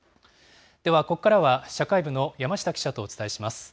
では、ここからは社会部の山下記者とお伝えします。